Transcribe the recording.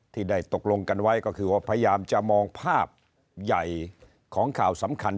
ที่ได้ตกลงกันไว้ก็คือว่าพยายามจะมองภาพใหญ่ของข่าวสำคัญ